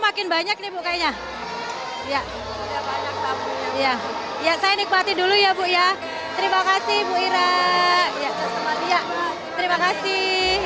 makin banyak ribu kayaknya ya iya iya saya nikmati dulu ya bu ya terima kasih bu irak ya terima kasih